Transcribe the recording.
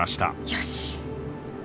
よし。